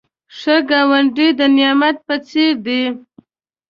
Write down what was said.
ښه ګاونډی د نعمت په څېر دی